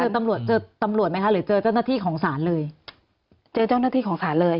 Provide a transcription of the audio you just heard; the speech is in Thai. ตำรวจเจอตำรวจไหมคะหรือเจอเจ้าหน้าที่ของศาลเลยเจอเจ้าหน้าที่ของศาลเลย